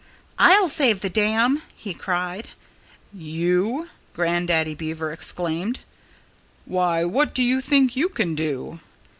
"I'll save the dam!" he cried. "You?" Grandaddy Beaver exclaimed. "Why, what do you think you can do?"